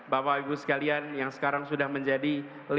bapak ibu sekalian yang sekarang sudah menjadi